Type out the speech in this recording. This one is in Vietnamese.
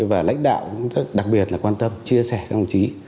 và lãnh đạo cũng rất đặc biệt là quan tâm chia sẻ các đồng chí